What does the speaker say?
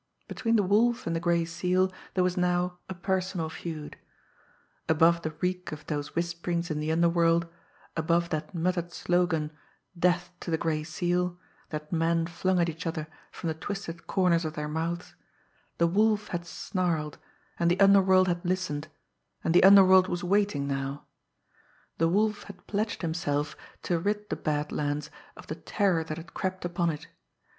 Between the Wolf and the Gray Seal there was now a personal feud. Above the reek of those whisperings in the underworld, above that muttered slogan, "death to the Gray Seal," that men flung at each other from the twisted corners of their mouths, the Wolf had snarled, and the underworld had listened, and the underworld was waiting now the Wolf had pledged himself to rid the Bad Lands of the terror that had crept upon it.